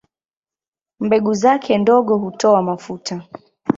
Mbegu zake ndogo hutoa mafuta.